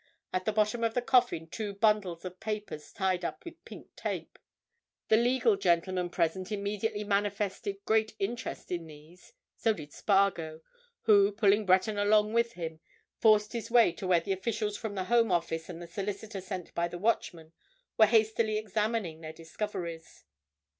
At the bottom of the coffin two bundles of papers, tied up with pink tape. The legal gentlemen present immediately manifested great interest in these. So did Spargo, who, pulling Breton along with him, forced his way to where the officials from the Home Office and the solicitor sent by the Watchman were hastily examining their discoveries.